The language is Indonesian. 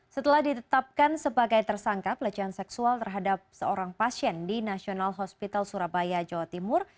setelah ditetapkan sebagai tersangka pelecehan seksual terhadap seorang pasien di national hospital surabaya jawa timur